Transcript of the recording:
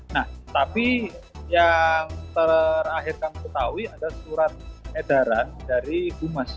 nah tapi yang terakhir kami ketahui adalah surat edaran dari bumas